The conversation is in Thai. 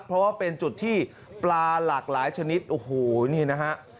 เพราะว่าเป็นจุดที่ปลาหลากหลายชนิดโอ้โหนี่นะฮะ